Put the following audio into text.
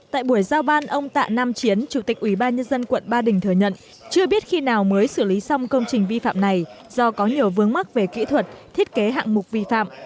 tại buổi giao ban ông tạ nam chiến chủ tịch ubnd quận ba đình thừa nhận chưa biết khi nào mới xử lý xong công trình vi phạm này do có nhiều vướng mắc về kỹ thuật thiết kế hạng mục vi phạm